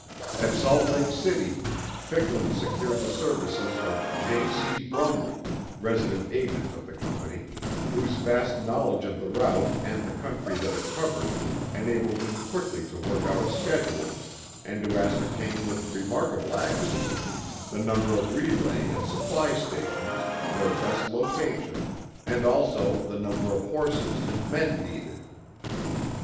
At Salt Lake City, Ficklin secured the services of J. C. Brumley, resident agent of the company, whose vast knowledge of the route and the country that it covered enabled him quickly to work out a schedule, and to ascertain with remarkable accuracy the number of relay and supply stations, their best location, and also the number of horses and men needed.